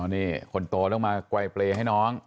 อ๋อนี่คนโตนั่งมากว่ายเปรย์ให้น้อง